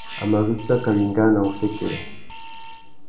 A mà zu tsaka wingāna wussêkêrê.